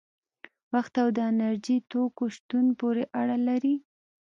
وخت او د انرژي توکو شتون پورې اړه لري.